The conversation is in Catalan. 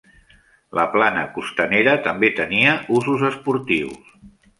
La plana costanera també tenia usos esportius.